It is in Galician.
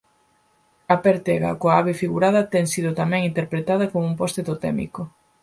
A pértega coa ave figurada ten sido tamén interpretada como un poste totémico.